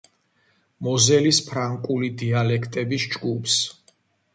მოზელის ფრანკული დიალექტების ჯგუფს.